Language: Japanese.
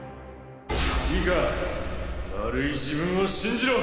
いいか丸い自分を信じろ！